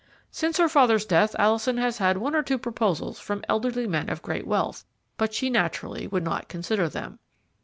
"Since her father's death, Alison has had one or two proposals from elderly men of great wealth, but she naturally would not consider them.